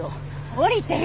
降りてよ！